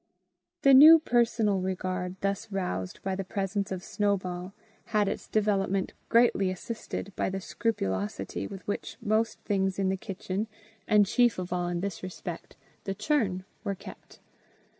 The new personal regard thus roused by the presence of Snowball, had its development greatly assisted by the scrupulosity with which most things in the kitchen, and chief of all in this respect, the churn, were kept.